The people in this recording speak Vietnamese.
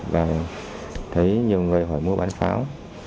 và thấy nhiều người hỏi mua bán pháo